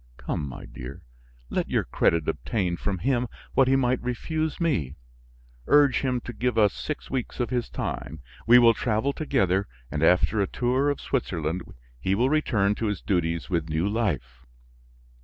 "Come, my dear, let your credit obtain from him what he might refuse me; urge him to give us six weeks of his time. We will travel together and, after a tour of Switzerland, he will return to his duties with new life."